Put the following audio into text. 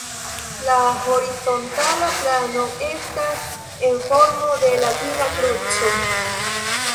La horizontala plano estas en formo de latina kruco.